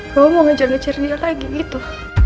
kamu mau ngejar ngejar dia lagi gitu